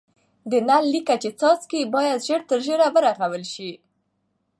د نل لیکه چي څاڅي باید ژر تر ژره ورغول سي.